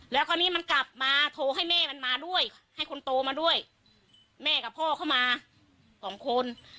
แล้วคราวนี้มันกลับมาโทรให้แม่มันมาด้วยให้คนโตมาด้วยแม่กับพ่อเข้ามาสองคน